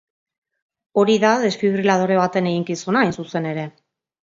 Hori da desfibriladore baten eginkizuna, hain zuzen ere.